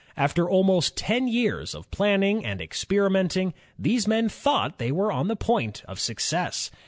After almost ten years of planning and experimenting, these men thought they were on the point of success.